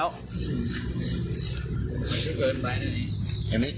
มันเกินไป